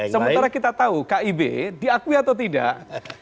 sementara kita tahu kib diakui atau tidak